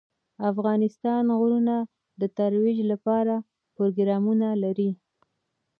افغانستان د غرونه د ترویج لپاره پروګرامونه لري.